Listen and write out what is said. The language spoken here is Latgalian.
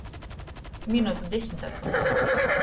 Minutu desmit atpakaļ.